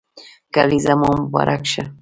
کلېزه مو مبارک شه